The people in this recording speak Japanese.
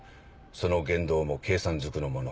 その言動も計算ずくのもの。